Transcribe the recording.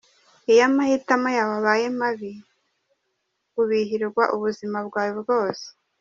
Iyo amahitamo yawe abaye mabi, ubihirwa ubuzima bwawe bwose.